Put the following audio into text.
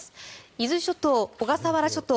伊豆諸島、小笠原諸島